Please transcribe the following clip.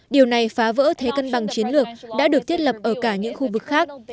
điều này phá vỡ thế cân bằng chiến lược đã được thiết lập ở cả những khu vực khác